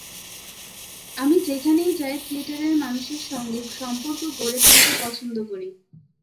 আমি যেখানেই যাই থিয়েটারের মানুষের সঙ্গে সম্পর্ক গড়ে তুলতে পছন্দ করি।